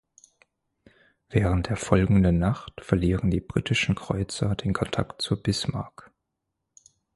Während der folgenden Nacht verlieren die britischen Kreuzer den Kontakt zur "Bismarck".